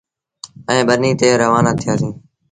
ائيٚݩ ٻنيٚ تي روآنآ ٿيٚآسيٚݩ ۔